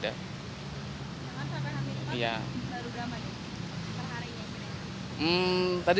jangan sampai hari empat